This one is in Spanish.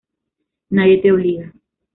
Nadie te obliga.